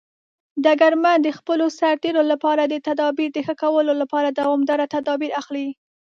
ډګرمن د خپلو سرتیرو لپاره د تدابیر د ښه کولو لپاره دوامداره تدابیر اخلي.